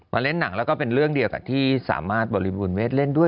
เล่นหนังแล้วก็เป็นเรื่องเดียวกับที่สามารถบริบูรณเวทเล่นด้วย